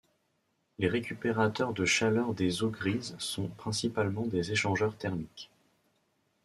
Les récupérateurs de chaleur des eaux grises sont principalement des échangeurs thermiques.